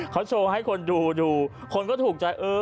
เขาโชว์ให้คนดูดูคนก็ถูกใจเออ